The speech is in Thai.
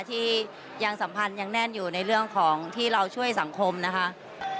ที่ยังสัมพันธ์ยังแน่นอยู่ในเรื่องของที่เราช่วยสังคมนะคะ